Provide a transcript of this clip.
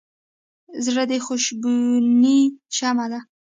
زړه د خوشبینۍ شمعه ده.